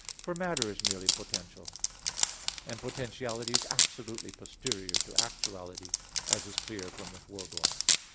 For matter is merely potential; and potentiality is absolutely posterior to actuality, as is clear from the foregoing (Q.